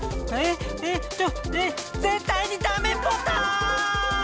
ちょっえっぜったいにダメポタ！！